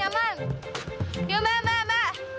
yuk mbak mbak mbak